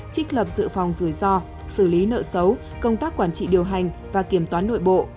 trích lập dự phòng rủi ro xử lý nợ xấu công tác quản trị điều hành và kiểm toán nội bộ